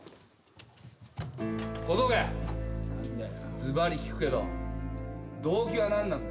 ずばり聞くけど動機は何なんだよ？